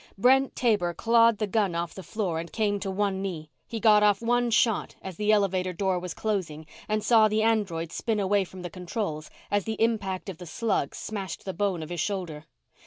Brent Taber clawed the gun off the floor and came to one knee. He got off one shot as the elevator door was closing and saw the android spin away from the controls as the impact of the slug smashed the bone of his shoulder.